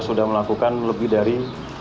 sudah melakukan lebih dari